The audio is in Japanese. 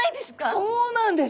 そうなんです！